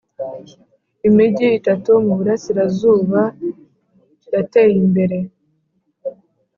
imigi itatu mu burasirazuba yateyimbere.